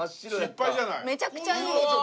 めちゃくちゃいい！